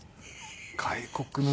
外国の。